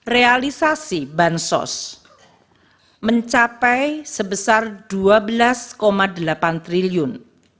realisasi bansos mencapai sebesar rp dua belas delapan triliun